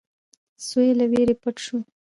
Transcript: سوی له وېرې پټ شو.